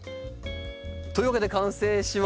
というわけで完成しました。